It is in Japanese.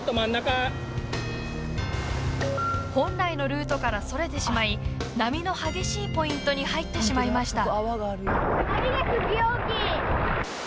本来のルートから逸れてしまい波の激しいポイントに入ってしまいました。